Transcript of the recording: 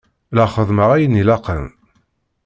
La xeddmeɣ ayen ilaqen.